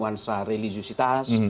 yang bisa diperhatikan